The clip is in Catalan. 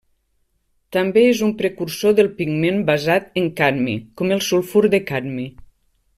També és un precursor del pigment basat en cadmi com el sulfur de cadmi.